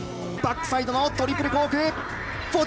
バックサイドのトリプルコーク１４４０。